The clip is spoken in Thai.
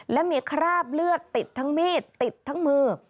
และมีคราบเลือดติดทั้งมีดติดทั้งมือ